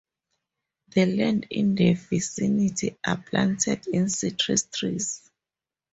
The land in the vicinity are planted in citrus trees.